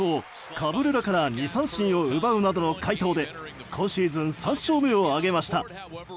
カブレラから２三振を奪うなどの快投で今シーズン３勝目を挙げました。